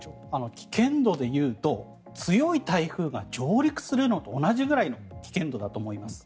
危険度で言うと強い台風が上陸するのと同じぐらいの危険度だと思います。